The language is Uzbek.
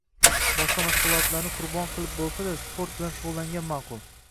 boshqa mashg‘ulotlarni qurbon qilib bo‘lsa-da, sport bilan shug‘ullangan ma’qul.